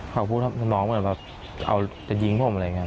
เขาพูดทำนองเหมือนแบบเอาจะยิงผมอะไรอย่างนี้